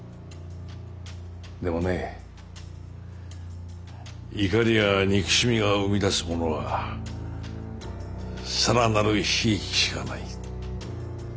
でもね怒りや憎しみが生み出すものは更なる悲劇しかない。